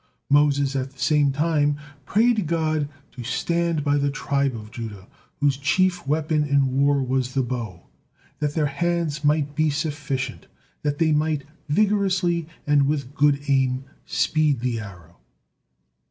'" Moses at the same time prayed God to stand by the tribe of Judah, whose chief weapon in war was the bow, that their 'hands might be sufficient,' that they might vigorously and with good aim speed the arrow.